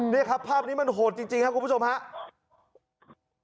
นี่ครับภาพนี้มันโหดจริงครับคุณผู้ชมครับ